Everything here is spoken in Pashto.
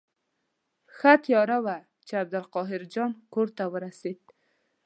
ښه تیاره وه چې عبدالقاهر جان کور ته ورسېدو.